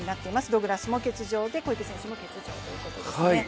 ド・グラスも欠場で、小池選手も欠場ということですね。